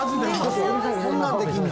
こんなんできるの？